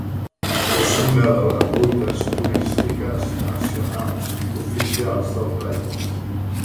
És una de les rutes turístiques nacionals oficials del país.